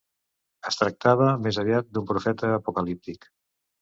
Es tractava, més aviat, d'un profeta apocalíptic.